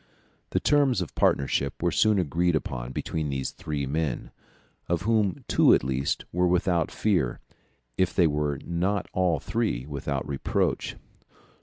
The terms of partnership were soon agreed upon between these three men, of whom two at least were without fear, if they were not all three without reproach.